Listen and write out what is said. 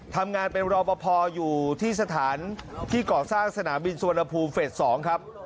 ทำงานเป็นรอปภอยู่ที่สถานที่ก่อสร้างสนามบินสุวรรณภูมิเฟส๒ครับ